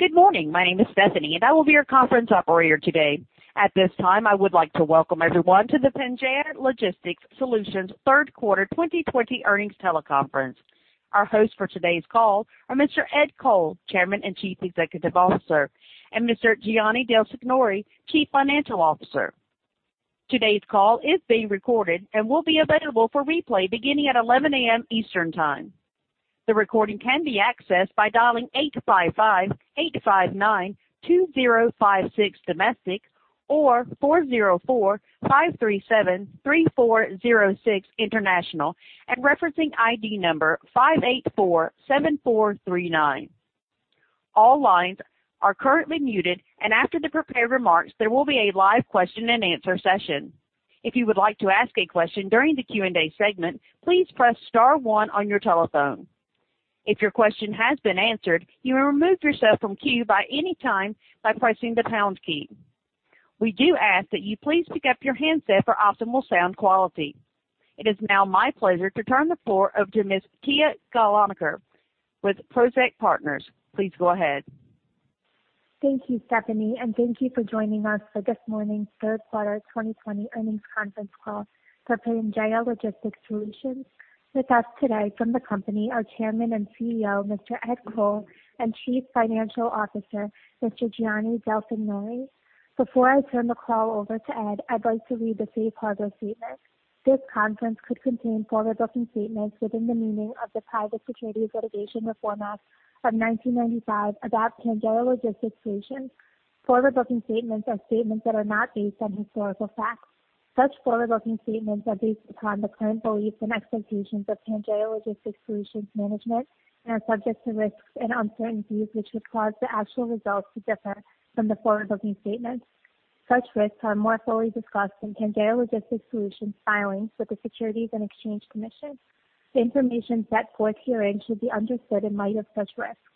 Good morning. My name is Stephanie, and I will be your conference operator today. At this time, I would like to welcome everyone to the Pangaea Logistics Solutions third quarter 2020 earnings teleconference. Our hosts for today's call are Mr. Ed Coll, Chairman and Chief Executive Officer, and Mr. Gianni Del Signore, Chief Financial Officer. Today's call is being recorded and will be available for replay beginning at 11:00 A.M. Eastern Time. The recording can be accessed by dialing 855-859-2056 domestic or 404-537-3406 international, and referencing ID number 5847439. All lines are currently muted, and after the prepared remarks, there will be a live question and answer session. If you would like to ask a question during the Q&A segment, please press star one on your telephone. If your question has been answered, you may remove yourself from queue at any time by pressing the pound key. We do ask that you please pick up your handset for optimal sound quality. It is now my pleasure to turn the floor over to Ms. Tiya Gulanikarwith Prosek Partners. Please go ahead. Thank you, Stephanie, and thank you for joining us for this morning's third quarter 2020 earnings conference call for Pangaea Logistics Solutions. With us today from the company are Chairman and CEO Mr. Ed Coll and Chief Financial Officer Mr. Gianni Del Signore. Before I turn the call over to Ed, I'd like to read the Safe Harbor statement. This call could contain forward-looking statements within the meaning of the Private Securities Litigation Reform Act of 1995 about Pangaea Logistics Solutions. Forward-looking statements are statements that are not based on historical facts. Such forward-looking statements are based upon the current beliefs and expectations of Pangaea Logistics Solutions management and are subject to risks and uncertainties which would cause the actual results to differ from the forward-looking statements. Such risks are more fully discussed in Pangaea Logistics Solutions filings with the Securities and Exchange Commission. The information set forth herein should be understood in light of such risks.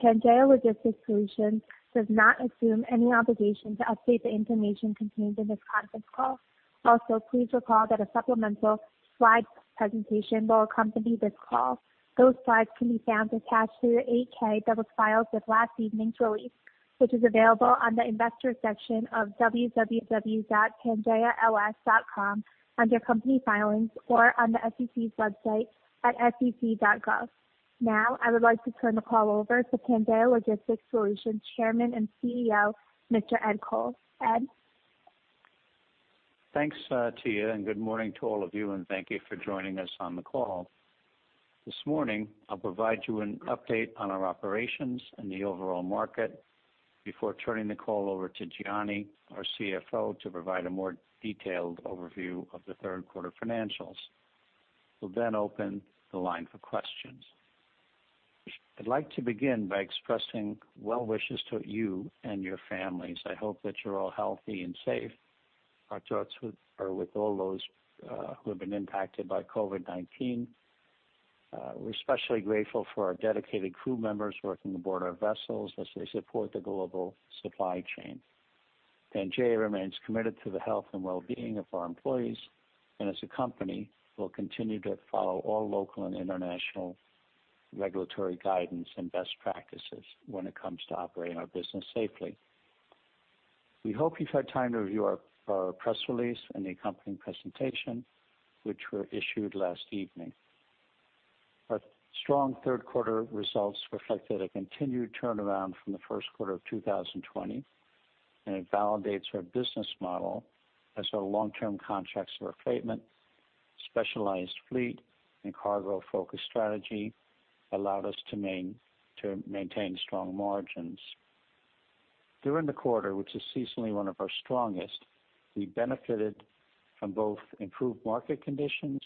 Pangaea Logistics Solutions does not assume any obligation to update the information contained in this conference call. Also, please recall that a supplemental slide presentation will accompany this call. Those slides can be found attached to your 8-K that was filed with last evening's release, which is available on the investor section of www.pangaealogistics.com under company filings or on the SEC's website at sec.gov. Now, I would like to turn the call over to Pangaea Logistics Solutions Chairman and CEO Mr. Ed Coll. Ed? Thanks, Tiya, and good morning to all of you, and thank you for joining us on the call. This morning, I'll provide you an update on our operations and the overall market before turning the call over to Gianni, our CFO, to provide a more detailed overview of the third quarter financials. We'll then open the line for questions. I'd like to begin by expressing well wishes to you and your families. I hope that you're all healthy and safe. Our thoughts are with all those who have been impacted by COVID-19. We're especially grateful for our dedicated crew members working aboard our vessels as they support the global supply chain. Pangaea remains committed to the health and well-being of our employees and, as a company, will continue to follow all local and international regulatory guidance and best practices when it comes to operating our business safely. We hope you've had time to review our press release and the accompanying presentation, which were issued last evening. Our strong third quarter results reflected a continued turnaround from the first quarter of 2020, and it validates our business model as our long-term contracts of affreightment, specialized fleet, and cargo-focused strategy allowed us to maintain strong margins. During the quarter, which is seasonally one of our strongest, we benefited from both improved market conditions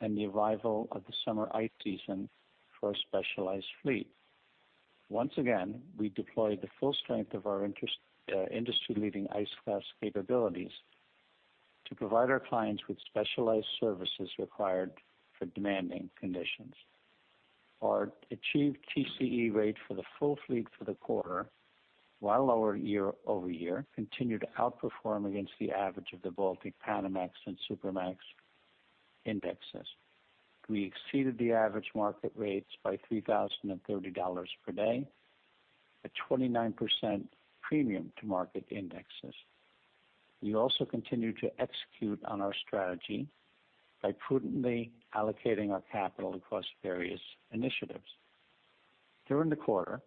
and the arrival of the summer ice season for a specialized fleet. Once again, we deployed the full strength of our industry-leading ice-class capabilities to provide our clients with specialized services required for demanding conditions. Our achieved TCE rate for the full fleet for the quarter. While our year-over-year continued to outperform against the average of the Baltic Panamax and Supramax indexes. We exceeded the average market rates by $3,030 per day, a 29% premium to market indexes. We also continued to execute on our strategy by prudently allocating our capital across various initiatives. During the quarter,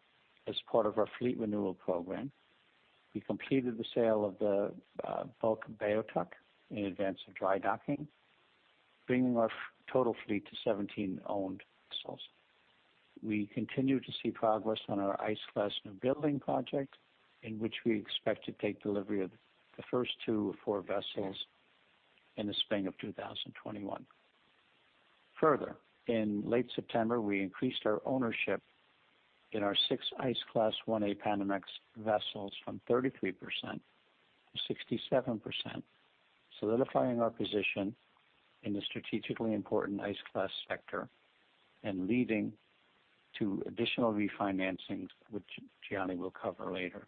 as part of our fleet renewal program, we completed the sale of the Bulk Beothuk in advance of dry docking, bringing our total fleet to 17 owned vessels. We continue to see progress on our ice-class newbuilding project, in which we expect to take delivery of the first two or four vessels in the spring of 2021. Further, in late September, we increased our ownership in our six ice-class 1A Panamax vessels from 33% to 67%, solidifying our position in the strategically important ice-class sector and leading to additional refinancing, which Gianni will cover later.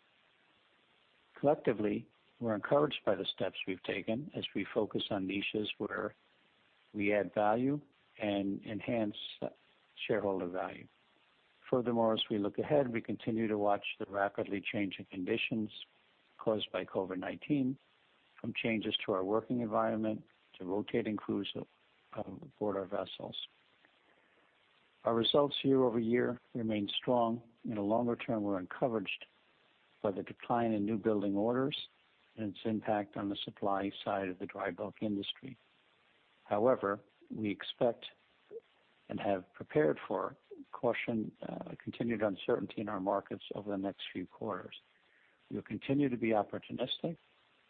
Collectively, we're encouraged by the steps we've taken as we focus on niches where we add value and enhance shareholder value. Furthermore, as we look ahead, we continue to watch the rapidly changing conditions caused by COVID-19, from changes to our working environment to rotating crews aboard our vessels. Our results year-over-year remain strong, and in the longer term, we're encouraged by the decline in newbuilding orders and its impact on the supply side of the dry bulk industry. However, we expect and have prepared for caution, continued uncertainty in our markets over the next few quarters. We'll continue to be opportunistic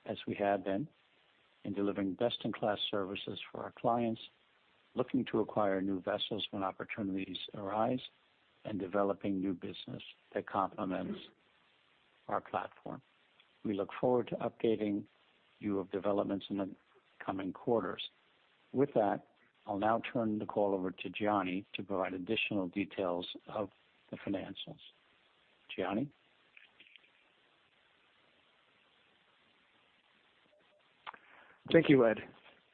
as we have been in delivering best-in-class services for our clients, looking to acquire new vessels when opportunities arise, and developing new business that complements our platform. We look forward to updating you of developments in the coming quarters. With that, I'll now turn the call over to Gianni to provide additional details of the financials. Gianni? Thank you, Ed,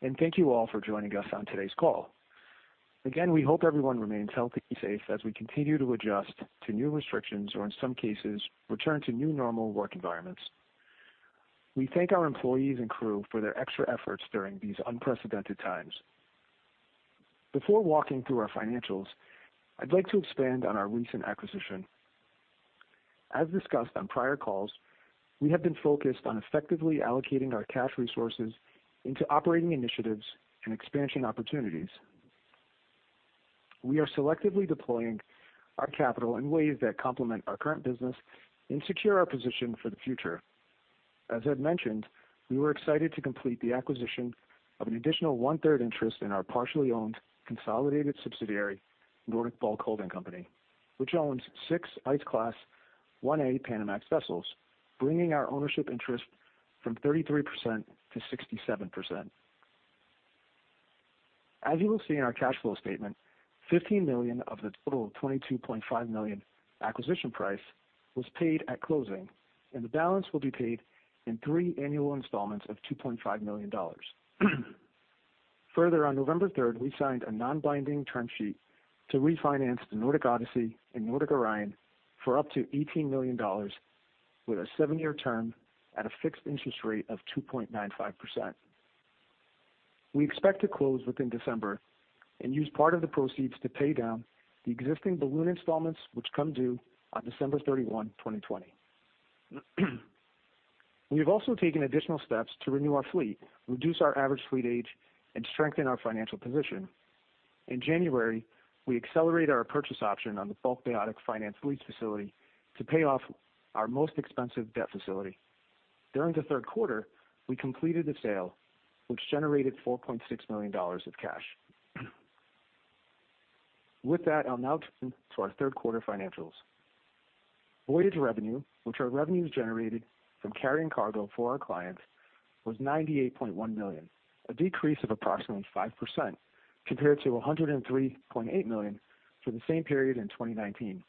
and thank you all for joining us on today's call. Again, we hope everyone remains healthy and safe as we continue to adjust to new restrictions or, in some cases, return to new normal work environments. We thank our employees and crew for their extra efforts during these unprecedented times. Before walking through our financials, I'd like to expand on our recent acquisition. As discussed on prior calls, we have been focused on effectively allocating our cash resources into operating initiatives and expansion opportunities. We are selectively deploying our capital in ways that complement our current business and secure our position for the future. As Ed mentioned, we were excited to complete the acquisition of an additional one-third interest in our partially owned consolidated subsidiary, Nordic Bulk Holding Company, which owns six ice-class 1A Panamax vessels, bringing our ownership interest from 33% to 67%. As you will see in our cash flow statement, $15 million of the total $22.5 million acquisition price was paid at closing, and the balance will be paid in three annual installments of $2.5 million. Further, on November 3rd, we signed a non-binding term sheet to refinance the Nordic Odyssey and Nordic Orion for up to $18 million with a seven-year term at a fixed interest rate of 2.95%. We expect to close within December and use part of the proceeds to pay down the existing balloon installments, which come due on December 31, 2020. We have also taken additional steps to renew our fleet, reduce our average fleet age, and strengthen our financial position. In January, we accelerated our purchase option on the Bulk Beothuk finance lease facility to pay off our most expensive debt facility. During the third quarter, we completed the sale, which generated $4.6 million of cash. With that, I'll now turn to our third quarter financials. Voyage revenue, which are revenues generated from carrying cargo for our clients, was $98.1 million, a decrease of approximately 5% compared to $103.8 million for the same period in 2019.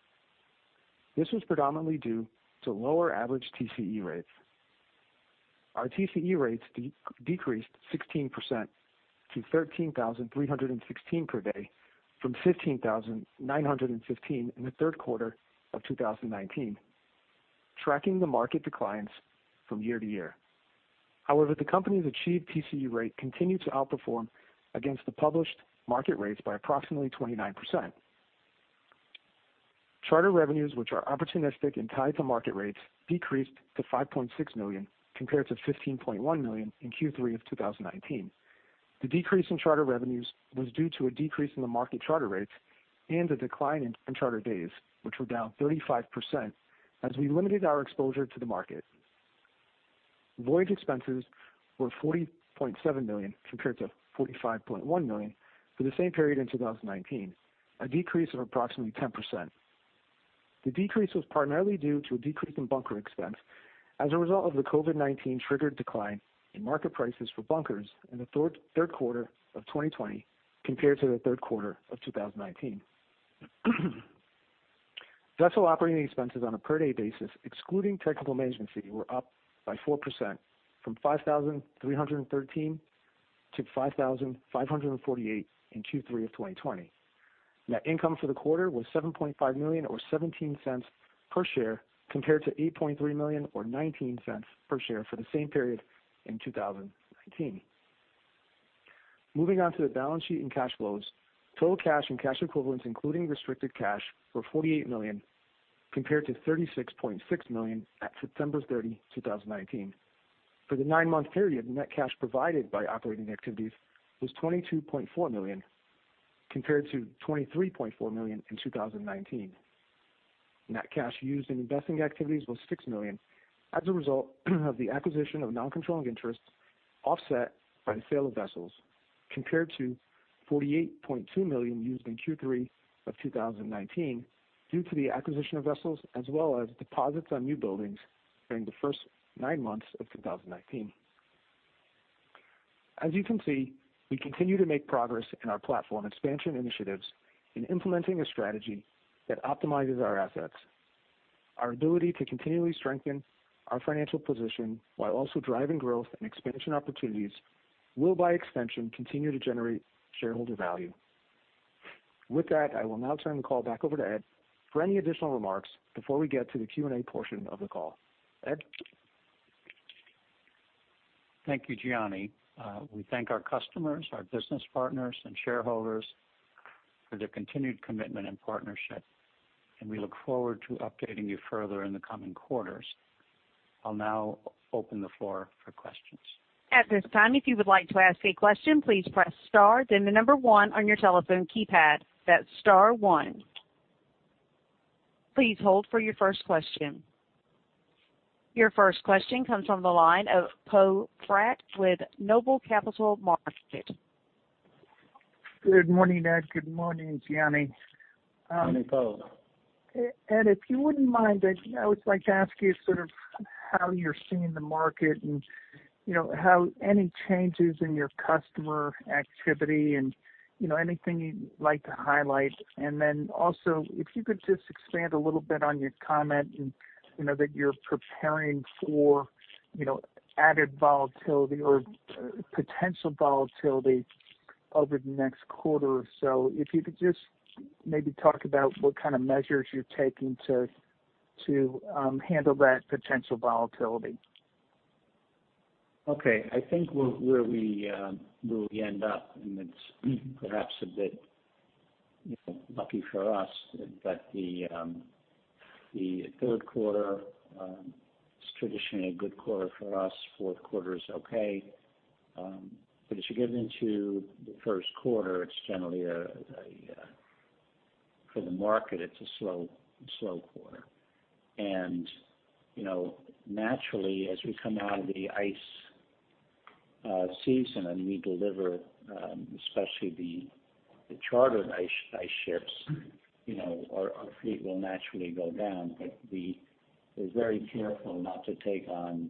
This was predominantly due to lower average TCE rates. Our TCE rates decreased 16% to 13,316 per day from 15,915 in the third quarter of 2019, tracking the market declines from year to year. However, the company's achieved TCE rate continued to outperform against the published market rates by approximately 29%. Charter revenues, which are opportunistic and tied to market rates, decreased to $5.6 million compared to $15.1 million in Q3 of 2019. The decrease in charter revenues was due to a decrease in the market charter rates and a decline in charter days, which were down 35% as we limited our exposure to the market. Voyage expenses were $40.7 million compared to $45.1 million for the same period in 2019, a decrease of approximately 10%. The decrease was primarily due to a decrease in bunker expense as a result of the COVID-19-triggered decline in market prices for bunkers in the third quarter of 2020 compared to the third quarter of 2019. Vessel operating expenses on a per-day basis, excluding technical management fee, were up by 4% from 5,313-5,548 in Q3 of 2020. Net income for the quarter was $7.5 million or $0.17 per share compared to $8.3 million or $0.19 per share for the same period in 2019. Moving on to the balance sheet and cash flows, total cash and cash equivalents, including restricted cash, were $48 million compared to $36.6 million at September 30, 2019. For the nine-month period, net cash provided by operating activities was $22.4 million compared to $23.4 million in 2019. Net cash used in investing activities was $6 million as a result of the acquisition of non-controlling interests offset by the sale of vessels compared to $48.2 million used in Q3 of 2019 due to the acquisition of vessels as well as deposits on newbuildings during the first nine months of 2019. As you can see, we continue to make progress in our platform expansion initiatives in implementing a strategy that optimizes our assets. Our ability to continually strengthen our financial position while also driving growth and expansion opportunities will, by extension, continue to generate shareholder value. With that, I will now turn the call back over to Ed for any additional remarks before we get to the Q&A portion of the call. Ed? Thank you, Gianni. We thank our customers, our business partners, and shareholders for their continued commitment and partnership, and we look forward to updating you further in the coming quarters. I'll now open the floor for questions. At this time, if you would like to ask a question, please press star then the number one on your telephone keypad. That's star one. Please hold for your first question. Your first question comes from the line of Poe Fratt with Noble Capital Markets. Good morning, Ed. Good morning, Gianni. Morning, Poe. Ed, if you wouldn't mind, I would like to ask you sort of how you're seeing the market and how any changes in your customer activity and anything you'd like to highlight. And then also, if you could just expand a little bit on your comment that you're preparing for added volatility or potential volatility over the next quarter or so, if you could just maybe talk about what kind of measures you're taking to handle that potential volatility. Okay. I think where we end up, and it's perhaps a bit lucky for us, is that the third quarter is traditionally a good quarter for us. Fourth quarter is okay. But as you get into the first quarter, it's generally a slow quarter for the market. And naturally, as we come out of the ice season and we deliver, especially the chartered ice ships, our fleet will naturally go down. But we're very careful not to take on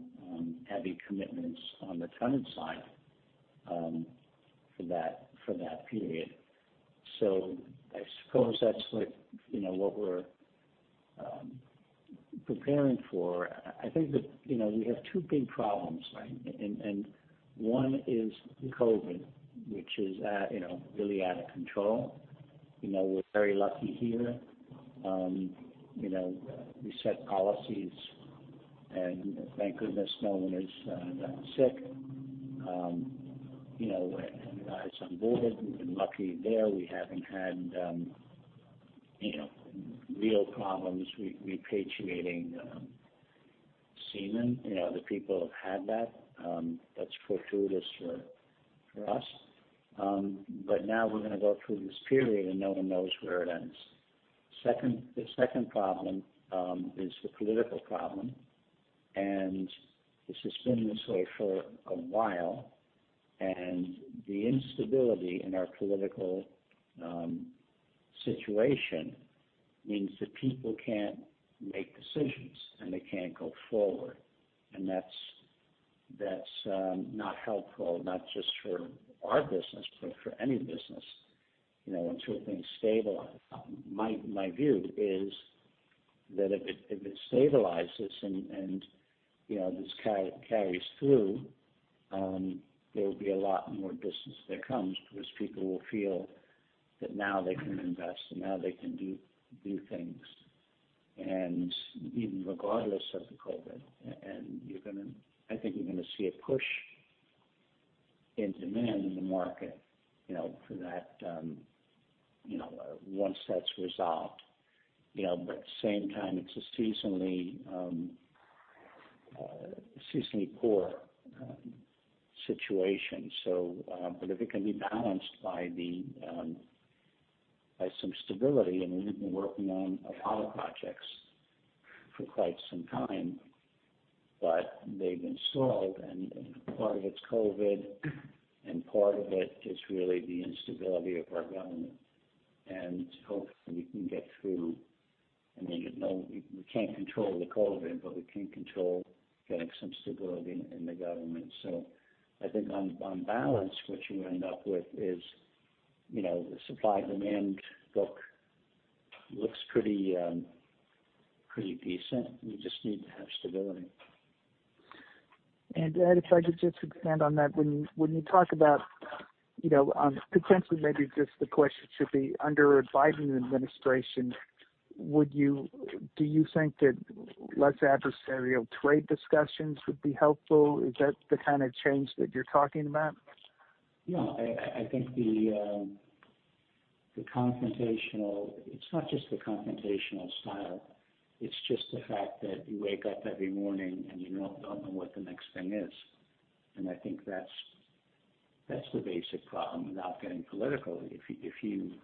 heavy commitments on the charter side for that period. So I suppose that's what we're preparing for. I think that we have two big problems, right? And one is COVID, which is really out of control. We're very lucky here. We set policies, and thank goodness no one is sick. Everybody's on board. We've been lucky there. We haven't had real problems repatriating seamen. The people have had that. That's fortuitous for us. But now we're going to go through this period, and no one knows where it ends. The second problem is the political problem, and this has been this way for a while, and the instability in our political situation means that people can't make decisions, and they can't go forward, and that's not helpful, not just for our business, but for any business. Until things stabilize, my view is that if it stabilizes and this carries through, there will be a lot more business that comes because people will feel that now they can invest and now they can do things, and even regardless of the COVID, I think we're going to see a push in demand in the market for that once that's resolved, but at the same time, it's a seasonally poor situation. But if it can be balanced by some stability, and we've been working on a lot of projects for quite some time, but they've been stalled, and part of it's COVID, and part of it is really the instability of our government. And hopefully, we can get through. I mean, we can't control the COVID, but we can control getting some stability in the government. So I think on balance, what you end up with is the supply-demand book looks pretty decent. We just need to have stability. And Ed, if I could just expand on that. When you talk about potentially maybe just the question should be under a Biden administration, do you think that less adversarial trade discussions would be helpful? Is that the kind of change that you're talking about? Yeah. I think the confrontational. It's not just the confrontational style. It's just the fact that you wake up every morning and you don't know what the next thing is. And I think that's the basic problem without getting political if you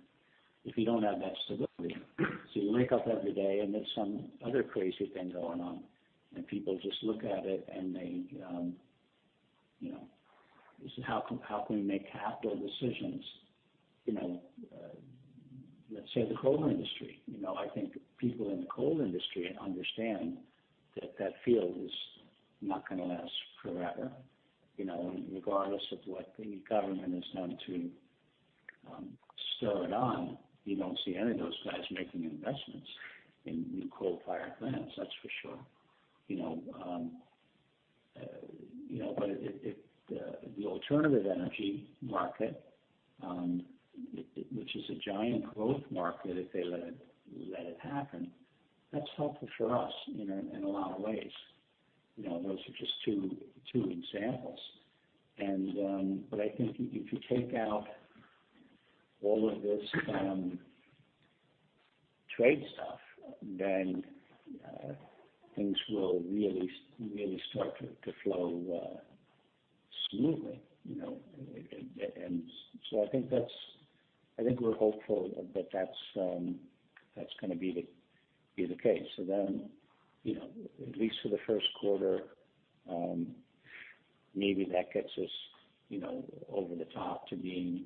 don't have that stability. So you wake up every day, and there's some other crazy thing going on, and people just look at it and they, "How can we make capital decisions?" Let's say the coal industry. I think people in the coal industry understand that that field is not going to last forever. Regardless of what the government has done to stir it on, you don't see any of those guys making investments in coal-fired plants. That's for sure. But the alternative energy market, which is a giant growth market if they let it happen, that's helpful for us in a lot of ways. Those are just two examples, but I think if you take out all of this trade stuff, then things will really start to flow smoothly, and so I think we're hopeful that that's going to be the case, so then, at least for the first quarter, maybe that gets us over the top to being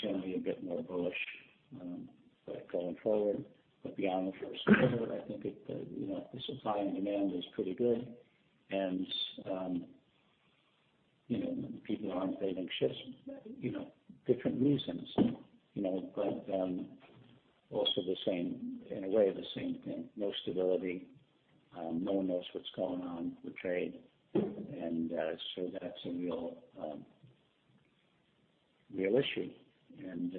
generally a bit more bullish going forward, but beyond the first quarter, I think the supply and demand is pretty good, and people aren't building ships for different reasons, but also in a way, the same thing. No stability. No one knows what's going on with trade, and so that's a real issue, and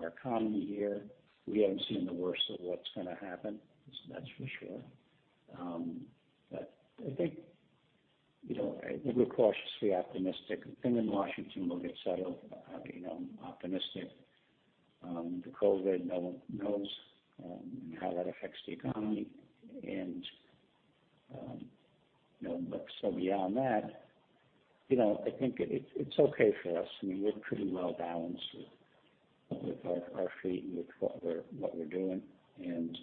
our economy here, we haven't seen the worst of what's going to happen. That's for sure, but I think we're cautiously optimistic. The thing in Washington will get settled. I'm optimistic. The COVID, no one knows how that affects the economy. And so beyond that, I think it's okay for us. I mean, we're pretty well balanced with our fleet and with what we're doing. And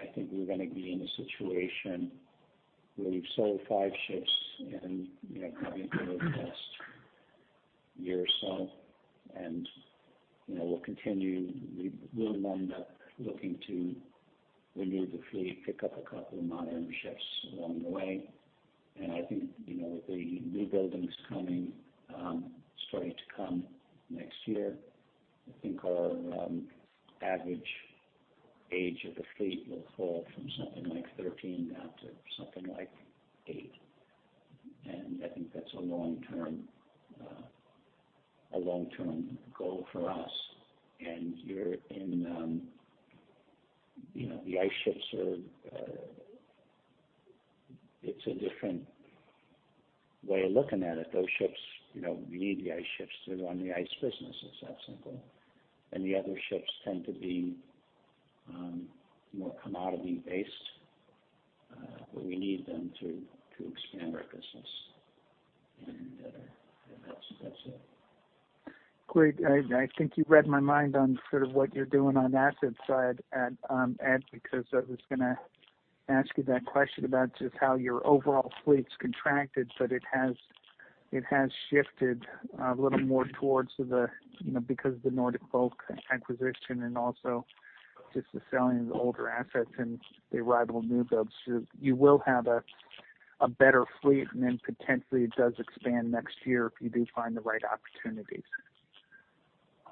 I think we're going to be in a situation where we've sold five ships and probably in the next year or so. And we'll continue, we'll end up looking to renew the fleet, pick up a couple of modern ships along the way. And I think with the new buildings starting to come next year, I think our average age of the fleet will fall from something like 13 down to something like eight. And I think that's a long-term goal for us. And the ice ships are, it's a different way of looking at it. Those ships, we need the ice ships to run the ice business. It's that simple. The other ships tend to be more commodity-based, but we need them to expand our business. That's it. Great. I think you read my mind on sort of what you're doing on that side, Ed, because I was going to ask you that question about just how your overall fleet's contracted, but it has shifted a little more towards the, because of the Nordic Bulk acquisition and also just the selling of the older assets and the arrival of new builds, you will have a better fleet, and then potentially it does expand next year if you do find the right opportunities.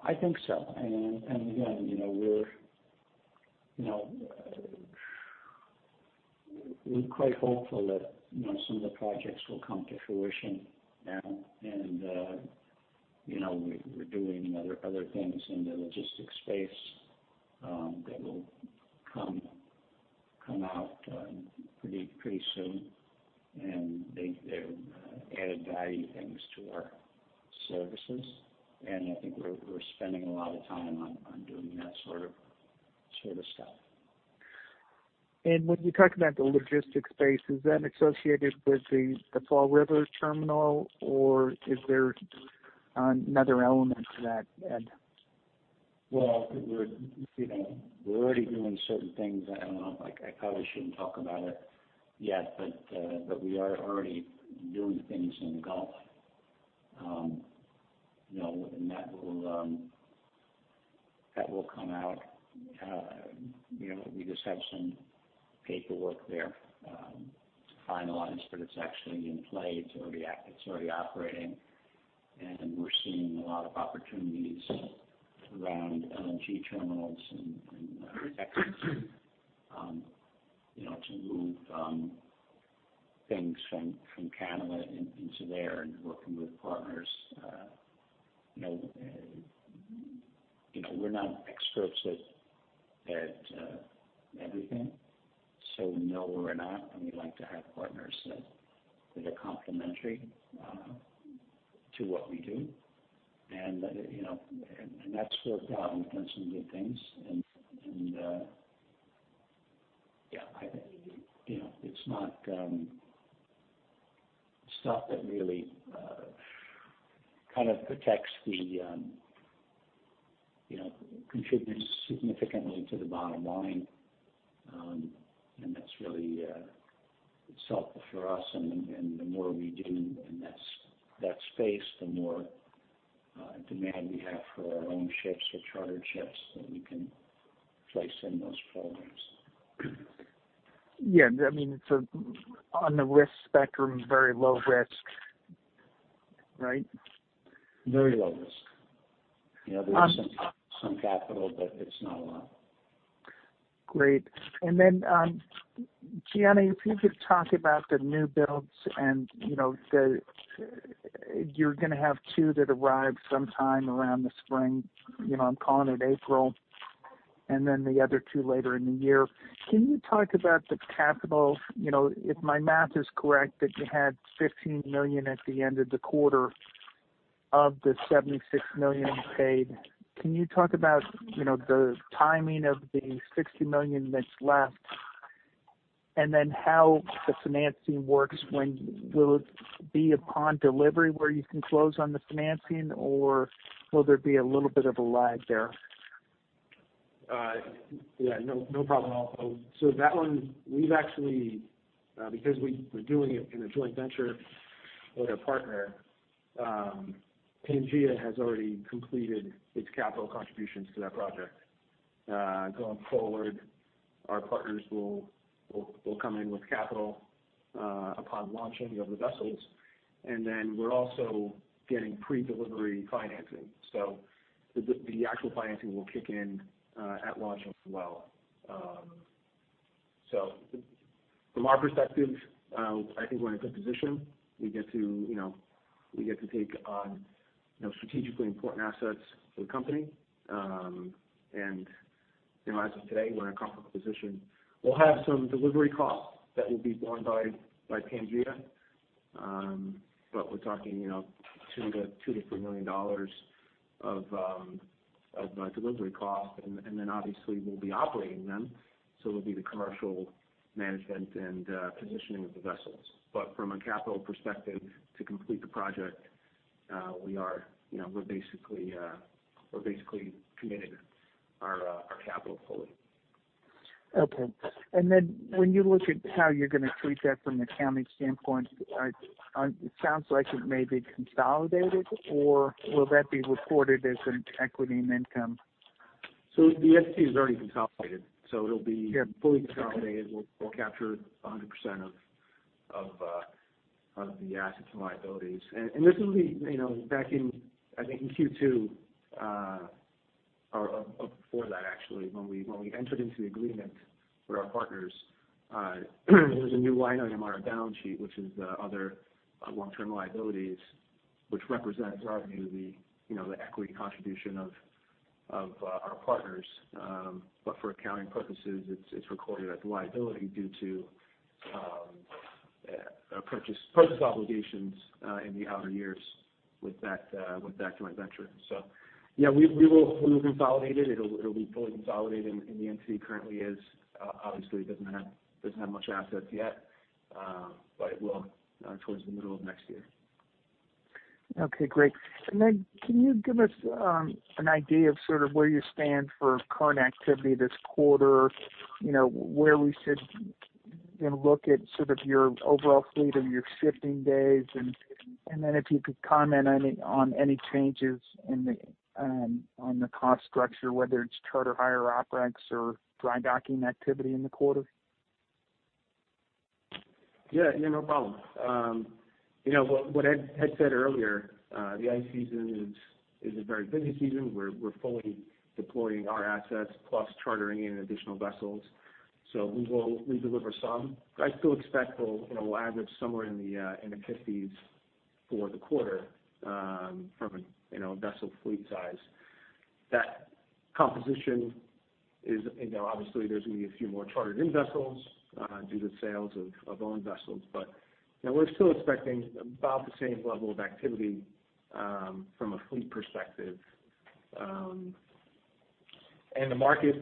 I think so. And again, we're quite hopeful that some of the projects will come to fruition now. And we're doing other things in the logistics space that will come out pretty soon. And they've added value things to our services. And I think we're spending a lot of time on doing that sort of stuff. When you talk about the logistics space, is that associated with the Fall River terminal, or is there another element to that, Ed? We're already doing certain things. I probably shouldn't talk about it yet, but we are already doing things in the Gulf, and that will come out. We just have some paperwork there to finalize, but it's actually in play. It's already operating, and we're seeing a lot of opportunities around LNG terminals and exits to move things from Canada into there and working with partners. We're not experts at everything, so no, we're not, and we like to have partners that are complementary to what we do, and that's worked out. We've done some good things, and yeah, it's not stuff that really kind of protects. It contributes significantly to the bottom line, and that's really helpful for us, and the more we do in that space, the more demand we have for our own ships or chartered ships that we can place in those programs. Yeah. I mean, it's on the risk spectrum, very low risk, right? Very low risk. There is some capital, but it's not a lot. Great. And then, Gianni, if you could talk about the new builds and you're going to have two that arrive sometime around the spring. I'm calling it April, and then the other two later in the year. Can you talk about the capital? If my math is correct, that you had $15 million at the end of the quarter of the $76 million paid. Can you talk about the timing of the $60 million that's left and then how the financing works? Will it be upon delivery where you can close on the financing, or will there be a little bit of a lag there? Yeah. No problem. So that one, we've actually, because we're doing it in a joint venture with our partner, Pangaea has already completed its capital contributions to that project. Going forward, our partners will come in with capital upon launching of the vessels. And then we're also getting pre-delivery financing. So the actual financing will kick in at launch as well. So from our perspective, I think we're in a good position. We get to take on strategically important assets for the company. And as of today, we're in a comfortable position. We'll have some delivery costs that will be borne by Pangaea, but we're talking $2 million-$3 million of delivery cost. And then obviously, we'll be operating them. So it'll be the commercial management and positioning of the vessels. But from a capital perspective, to complete the project, we're basically committed our capital fully. Okay. And then when you look at how you're going to treat that from the accounting standpoint, it sounds like it may be consolidated, or will that be reported as an equity and income? So the equity is already consolidated. So it'll be fully consolidated. We'll capture 100% of the assets and liabilities. And this will be back in, I think, in Q2 or before that, actually. When we entered into the agreement with our partners, there was a new line item on our balance sheet, which is the other long-term liabilities, which represents, in our view, the equity contribution of our partners. But for accounting purposes, it's recorded as a liability due to purchase obligations in the outer years with that joint venture. So yeah, we will consolidate it. It'll be fully consolidated, and the entity currently is, obviously, doesn't have much assets yet, but it will towards the middle of next year. Okay. Great. And then can you give us an idea of sort of where you stand for current activity this quarter, where we should look at sort of your overall fleet of your shipping days? And then if you could comment on any changes on the cost structure, whether it's charter hire, OpEx, or dry docking activity in the quarter. Yeah. Yeah. No problem. What Ed said earlier, the ice season is a very busy season. We're fully deploying our assets plus chartering in additional vessels, so we deliver some. I still expect we'll average somewhere in the 50s for the quarter from a vessel fleet size. That composition is obviously, there's going to be a few more chartered in vessels due to sales of owned vessels, but we're still expecting about the same level of activity from a fleet perspective, and the market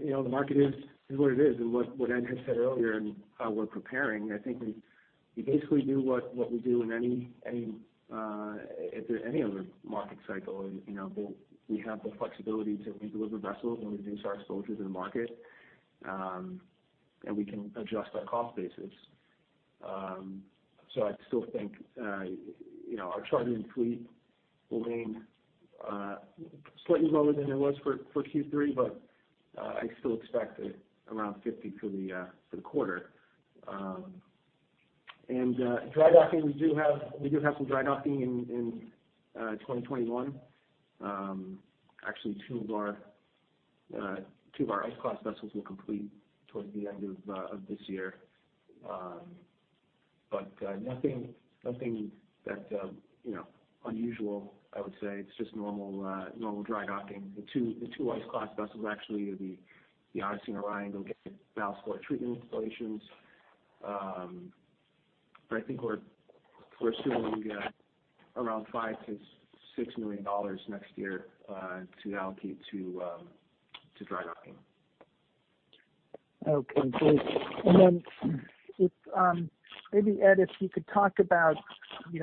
is what it is, and what Ed had said earlier and how we're preparing, I think we basically do what we do in any other market cycle. We have the flexibility to re-deliver vessels and reduce our exposure to the market, and we can adjust our cost basis. So I still think our chartering fleet will remain slightly lower than it was for Q3, but I still expect around 50 for the quarter, and dry docking, we do have some dry docking in 2021. Actually, two of our ice-class vessels will complete towards the end of this year, but nothing that unusual, I would say. It's just normal dry docking. The two ice-class vessels actually are the Nordic Orion and the ballast water treatment installations, but I think we're assuming around $5 million-$6 million next year to allocate to dry docking. Okay. Great. And then maybe, Ed, if you could talk about the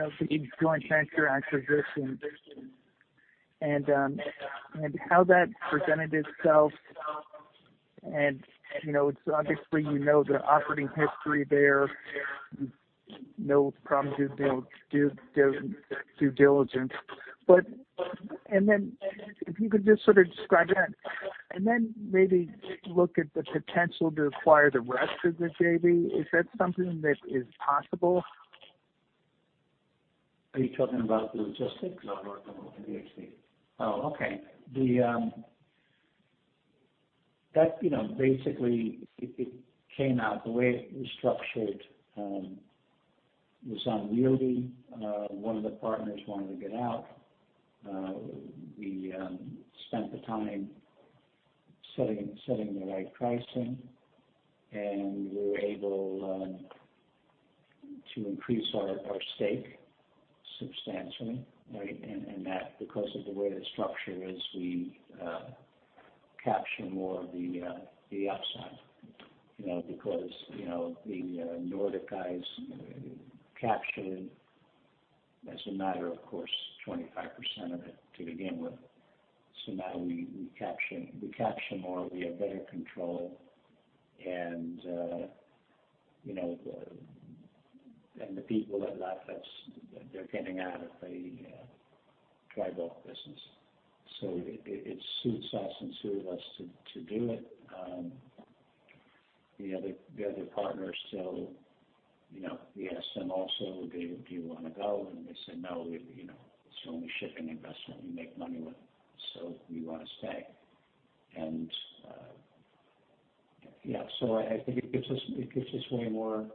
joint venture acquisition and how that presented itself. And obviously, you know the operating history there. No problems with due diligence. And then if you could just sort of describe that. And then maybe look at the potential to acquire the rest of the JV. Is that something that is possible? Are you talking about the logistics? I'm not going to look at the JV. Oh, okay. Basically, it came out. The way we structured was unwieldy. One of the partners wanted to get out. We spent the time setting the right pricing, and we were able to increase our stake substantially. And because of the way the structure is, we capture more of the upside because the Nordic guys captured, as a matter of course, 25% of it to begin with. So now we capture more. We have better control. And the people that left us, they're getting out of the dry bulk business. So it suits us and suited us to do it. The other partners still asked them also, "Do you want to go?" And they said, "No. It's only shipping investment. We make money with it. So we want to stay." And yeah. So I think it gives us way more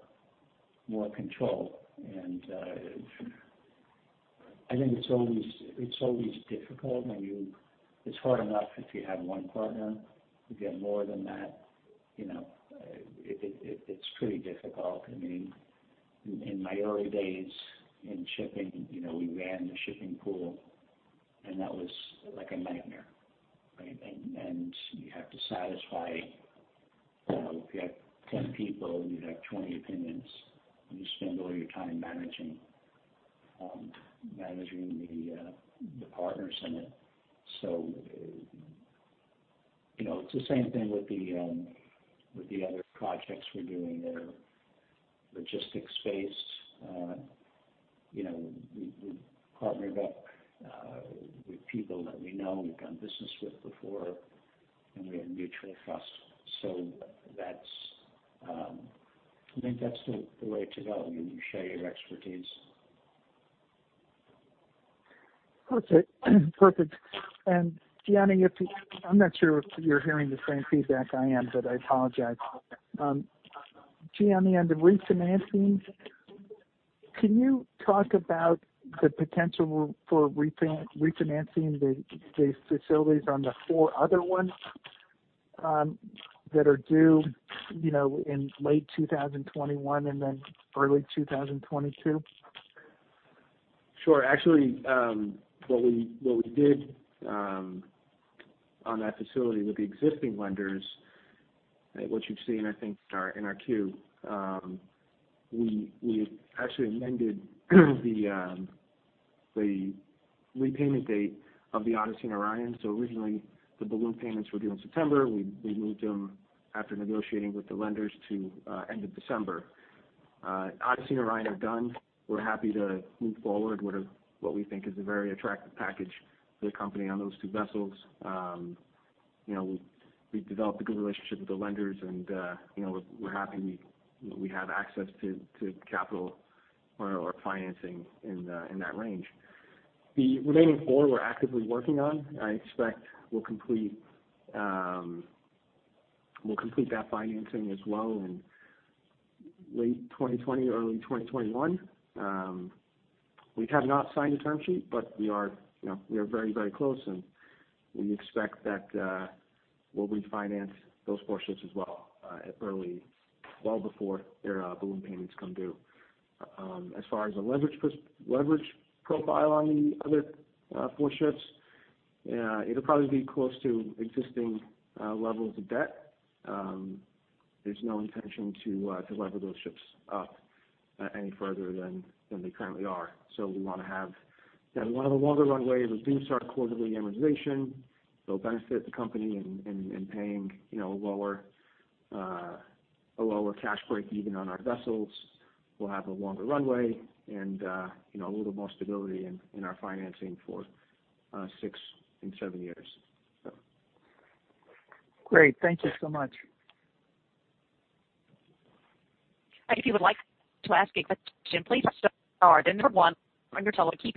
control. And I think it's always difficult. It's hard enough if you have one partner. If you have more than that, it's pretty difficult. I mean, in my early days in shipping, we ran the shipping pool, and that was like a nightmare. And you have to satisfy if you have 10 people, you have 20 opinions, and you spend all your time managing the partners in it. So it's the same thing with the other projects we're doing. They're logistics-based. We partnered up with people that we know, we've done business with before, and we have mutual trust. So I think that's the way to go. You show your expertise. Okay. Perfect, and Gianni, I'm not sure if you're hearing the same feedback I am, but I apologize. Gianni, on the refinancing, can you talk about the potential for refinancing the facilities on the four other ones that are due in late 2021 and then early 2022? Sure. Actually, what we did on that facility with the existing lenders, what you've seen, I think, in our 8-K, we actually amended the repayment date of the Nordic Orion. So originally, the balloon payments were due in September. We moved them after negotiating with the lenders to end of December. Nordic Orion are done. We're happy to move forward with what we think is a very attractive package for the company on those two vessels. We've developed a good relationship with the lenders, and we're happy we have access to capital or financing in that range. The remaining four we're actively working on. I expect we'll complete that financing as well in late 2020, early 2021. We have not signed a term sheet, but we are very, very close, and we expect that we'll refinance those four ships as well before their balloon payments come due. As far as the leverage profile on the other four ships, it'll probably be close to existing levels of debt. There's no intention to lever those ships up any further than they currently are. So we want to have a longer runway, reduce our quarterly amortization. It'll benefit the company in paying a lower cash break even on our vessels. We'll have a longer runway and a little more stability in our financing for six and seven years. Great. Thank you so much. If you would like to ask a question, please press star. Then press one on your touchtone,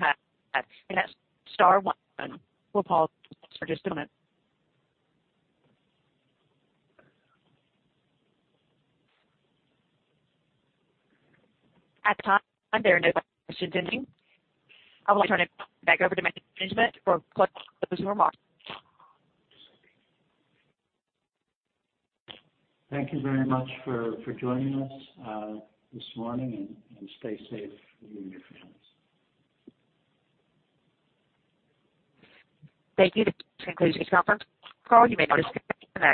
and that's star one. We'll pause for just a moment. At this time, there are no questions in queue. I will turn it back over to management for closing remarks. Thank you very much for joining us this morning, and stay safe, you and your families. Thank you. This concludes this conference call. You may now disconnect.